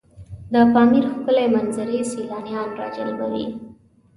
د پامیر ښکلي منظرې سیلانیان راجلبوي.